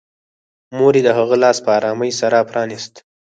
مور یې د هغه لاس په ارامۍ سره پرانيست